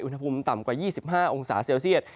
อุณหภูมิต่ำกว่า๒๕องศาเซลเซียต